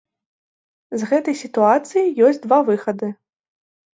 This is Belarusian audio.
З гэтай сітуацыі ёсць два выхады.